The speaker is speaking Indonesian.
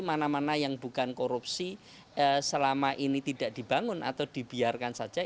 mana mana yang bukan korupsi selama ini tidak dibangun atau dibiarkan saja